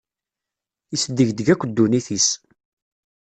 Isdegdeg akk ddunit-is.